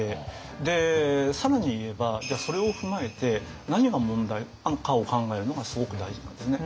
で更に言えばそれを踏まえて何が問題なのかを考えるのがすごく大事なんですね。